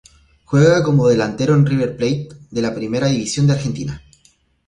Juega como delantero en River Plate de la Primera División de Argentina.